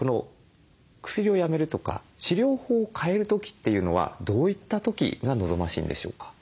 薬をやめるとか治療法を変える時というのはどういった時が望ましいんでしょうか？